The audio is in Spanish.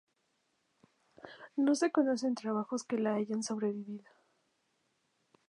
No se conocen trabajos que la hayan sobrevivido.